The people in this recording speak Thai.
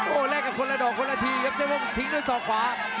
โอ้แลกกับคนละดอกคนละทีครับเสื้อพ่งทิ้งด้วยส่อขวา